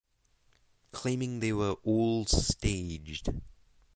Claiming they were all staged.